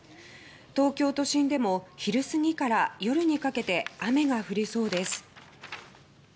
東京都心でも昼過ぎから夜にかけて雨が降りそうです。